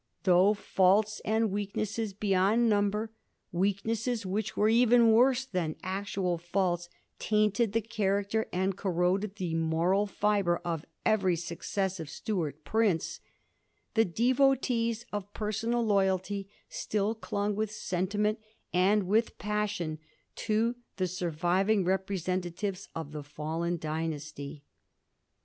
Though faults and weaknesses beyond number, weaknesses which were even worse than actual faults, tainted the character and corroded the moral fibre of every successive Stuart prince, the devotees of personal loyalty still clung with sentiment and with passion to the surviving representatives of the fallen dynasty.